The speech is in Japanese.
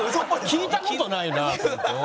聞いた事ないなと思って。